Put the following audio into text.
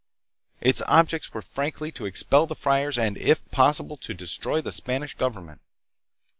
Its objects were frankly to expel the friars, and, if possible, to destroy the Spanish government.